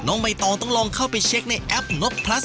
ใบตองต้องลองเข้าไปเช็คในแอปนกพลัส